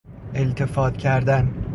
التفات کردن